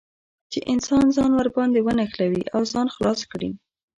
چې انسان ځان ور باندې ونښلوي او ځان خلاص کړي.